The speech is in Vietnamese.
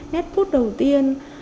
netbook đầu tiên